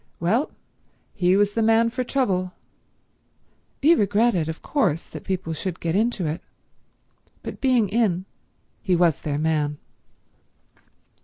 Well, he was the man for trouble. He regretted, of course, that people should get into it, but being in he was their man.